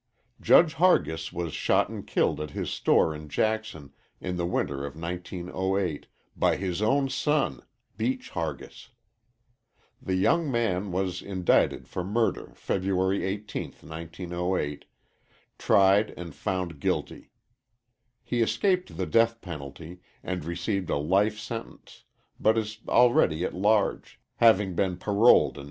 Judge Hargis was shot and killed at his store in Jackson in the winter of 1908 by his own son, Beach Hargis. The young man was indicted for murder February 18th, 1908, tried and found guilty. He escaped the death penalty, and received a life sentence, but is already at large, having been paroled 1916.